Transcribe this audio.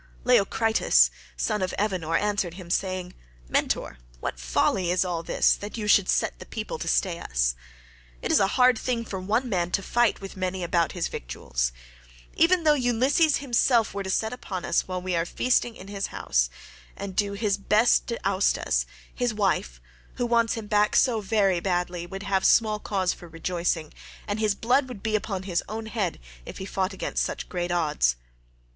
Leiocritus, son of Evenor, answered him saying, "Mentor, what folly is all this, that you should set the people to stay us? It is a hard thing for one man to fight with many about his victuals. Even though Ulysses himself were to set upon us while we are feasting in his house, and do his best to oust us, his wife, who wants him back so very badly, would have small cause for rejoicing, and his blood would be upon his own head if he fought against such great odds.